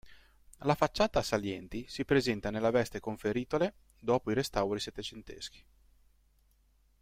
La facciata a salienti si presenta nella veste conferitole dopo i restauri settecenteschi.